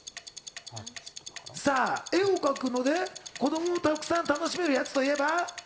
絵を描くので子供がたくさん楽しめるやつといえば？